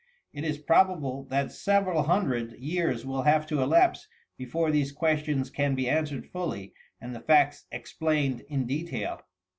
It is probable that several hundred years will have to elapse before these questions can be answered fully and the facts explained in detail.